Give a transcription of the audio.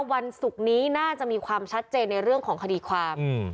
วันศุกร์นี้น่าจะมีความชัดเจนในเรื่องของคดีความ